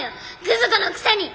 グズ子のくせに！